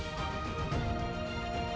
saya teruja untuk melihat langkah seterusnya